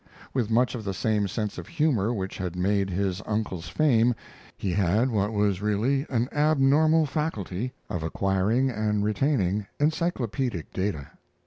With much of the same sense of humor which had made his uncle's fame, he had what was really an abnormal faculty of acquiring and retaining encyclopedic data.